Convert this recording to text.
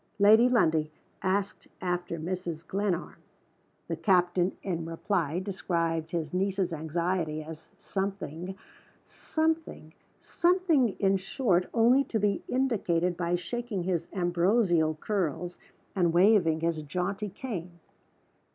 Lady Lundie asked after Mrs. Glenarm. The captain, in reply, described his niece's anxiety as something something something, in short, only to be indicated by shaking his ambrosial curls and waving his jaunty cane.